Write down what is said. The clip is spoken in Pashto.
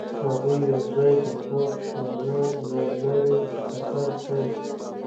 هغوی یوځای د پاک شعله له لارې سفر پیل کړ.